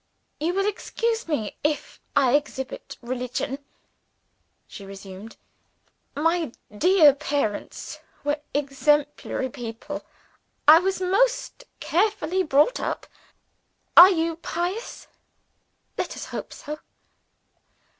"You will excuse me if I exhibit religion," she resumed. "My dear parents were exemplary people; I was most carefully brought up. Are you pious? Let us hope so."